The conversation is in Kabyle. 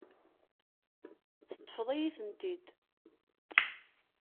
Teṭṭfeḍ-iyi-tent-id.